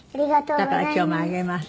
「だから今日もあげます」